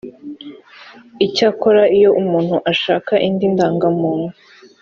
icyakora iyo umuntu ashaka indi ndangamuntu